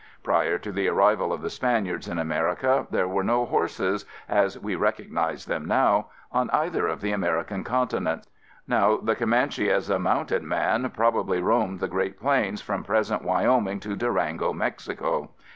Prior to the arrival of the Spaniards in America, there were no horses, as we recognize them now, on either of the American continents. Now the Comanche as a mounted man probably roamed the great plains from present Wyoming to Durango, Mexico.